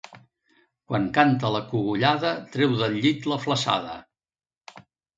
Quan canta la cogullada treu del llit la flassada.